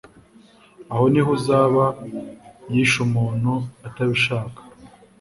aho ni ho uzaba yishe umuntu atabishaka